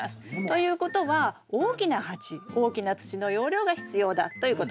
ということは大きな鉢大きな土の容量が必要だということ。